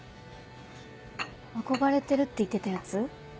「憧れてる」って言ってたやつ？